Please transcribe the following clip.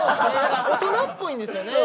大人っぽいんですよね。